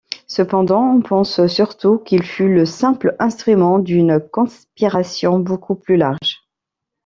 Cependant on pense surtout qu'il fut le simple instrument d'une conspiration beaucoup plus large.